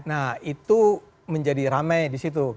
nah itu menjadi ramai disitu